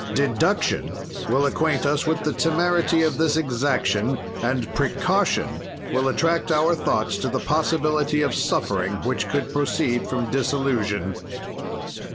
"Deduction will acquaint us with the temerity of this exaction, and precaution will attract our thoughts to the possibility of suffering which could proceed from disillusion.